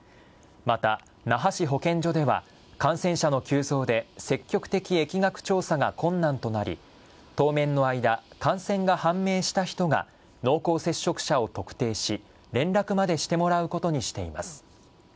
また、那覇市保健所では感染者の急増で積極的疫学調査が困難となり、当面の間、感染が判明した人が濃厚接触者を特定し、連絡までしてもらうことにしています。